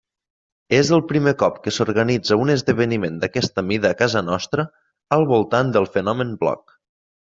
És el primer cop que s'organitza un esdeveniment d'aquesta mida a casa nostra al voltant del fenomen bloc.